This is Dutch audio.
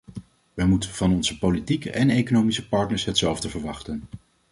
Wij moeten van onze politieke en economische partners hetzelfde verwachten.